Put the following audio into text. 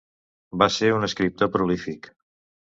Va ser un escriptor prolífic.